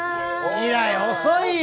未来遅いよ。